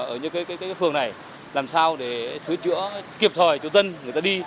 ở những phường này làm sao để sửa chữa kịp thời cho dân người ta đi